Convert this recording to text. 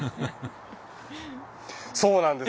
そうなんです。